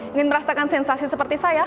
ingin merasakan sensasi seperti saya